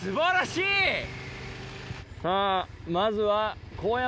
さぁまずは。